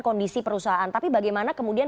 kondisi perusahaan tapi bagaimana kemudian